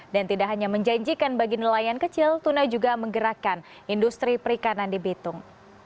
dan tidak hanya menjanjikan bagi nelayan kecil tuna juga menggerakkan industri perikanan di bitung